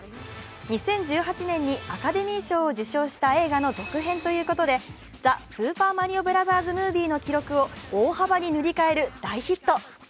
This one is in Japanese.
２０１８年にアカデミー賞を受賞した映画の続編ということで「ザ・スーパーマリオブラザーズ・ムービー」の記録を大幅に塗り替える大ヒット。